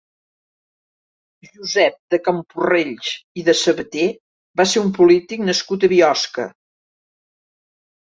Josep de Camporrells i de Sabater va ser un polític nascut a Biosca.